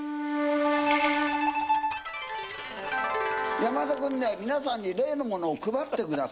山田君皆さんに例のものを配ってください。